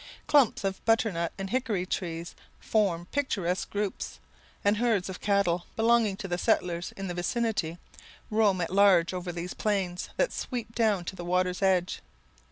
Clumps of butternut, and hiccory trees, form picturesque groups; and herds of cattle, belonging to the settlers in the vicinity, roam at large over these plains that sweep down to the water's edge.